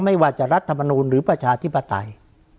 ไม่ว่าจะรัฐมนูลหรือประชาธิปไตย